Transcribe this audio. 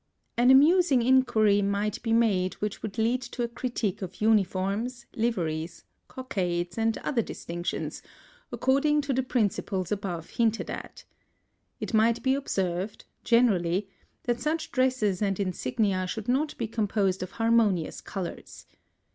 An amusing inquiry might be made which would lead to a critique of uniforms, liveries, cockades, and other distinctions, according to the principles above hinted at. It might be observed, generally, that such dresses and insignia should not be composed of harmonious colours.